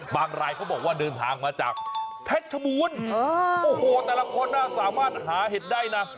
รายเขาบอกว่าเดินทางมาจากเพชรชบูรณ์โอ้โหแต่ละคนน่าสามารถหาเห็ดได้นะ